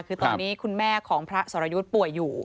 คือตอนนี้คุณแม่ของพระสรยุทธ์ป่วยอยู่